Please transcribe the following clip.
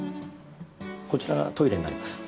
こちらトイレになります。